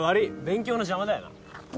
勉強の邪魔だよな。